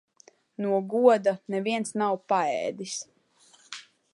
No goda neviens nav paēdis.